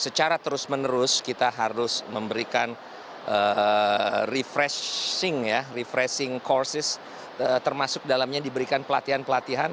secara terus menerus kita harus memberikan refreshing ya refreshing courses termasuk dalamnya diberikan pelatihan pelatihan